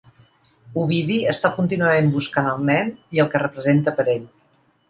Ovidi està contínuament buscant el nen i el que representa per ell.